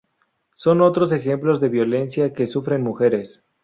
son otros ejemplos de violencia que sufren mujeres